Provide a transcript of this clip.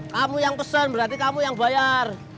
kamu yang pesen berarti kamu yang bayar